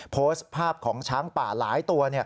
โพสต์ภาพของช้างป่าหลายตัว